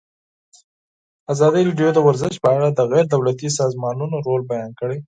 ازادي راډیو د ورزش په اړه د غیر دولتي سازمانونو رول بیان کړی.